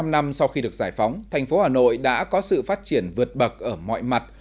bảy mươi năm năm sau khi được giải phóng thành phố hà nội đã có sự phát triển vượt bậc ở mọi mặt